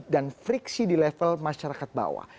dan friksi di level masyarakat bawah